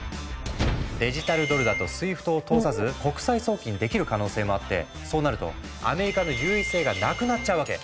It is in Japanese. デジタルドルだとＳＷＩＦＴを通さず国際送金できる可能性もあってそうなるとアメリカの優位性がなくなっちゃうわけ。